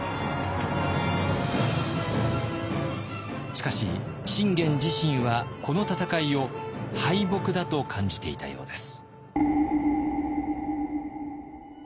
しかし信玄自身はこの戦いを敗北だと感じていたようです。